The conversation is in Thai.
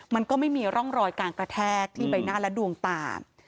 มันก็ไม่มีร่องรอยการกระแทกที่ใบหน้าและดวงตา